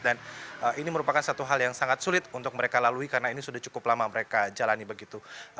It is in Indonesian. dan ini merupakan satu hal yang sangat sulit untuk mereka lalui karena ini sudah cukup lama mereka jalani begitu